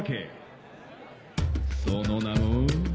その名も。